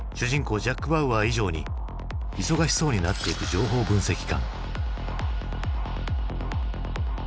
ジャック・バウアー以上に忙しそうになっていく情報分析官。